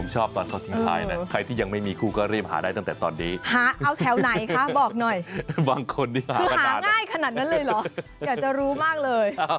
จะเป็นสีชมพูรับรองว่าคนโสดอาจจะเฉาตายกันไปเลย